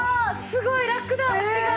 すごい楽だ脚が！